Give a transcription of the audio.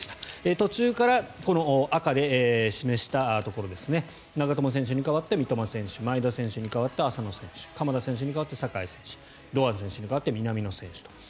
途中から、この赤で示したところ長友選手に代わって三笘選手前田選手に代わって浅野選手鎌田選手に代わって酒井選手堂安選手に代わって三笘選手と。